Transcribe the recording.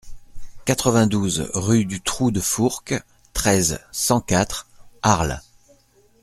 quatre-vingt-douze rue du Trou de Fourques, treize, cent quatre, Arles